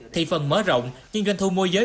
thị phần mớ rộng nhưng gần thu mua giới